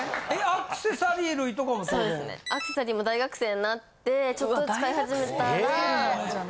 アクセサリーも大学生になってちょっと使い始めたら。